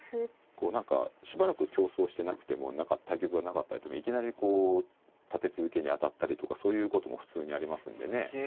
こう何かしばらく競争してなくても対局がなかったりいきなり立て続けに当たったりとかそういうことも普通にありますんでね。